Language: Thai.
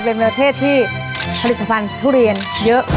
เมืองไทยเป็นเมืองเทศที่ผลิตภัณฑ์ทุเรียนเยอะ